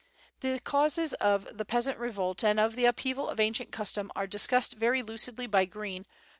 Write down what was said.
The causes of the peasant revolt and of the upheaval of ancient custom are discussed very lucidly by Green, pp.